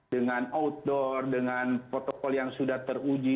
dengan outdoor dengan protokol yang sudah teruji